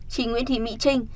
chị nguyễn thị mỹ trinh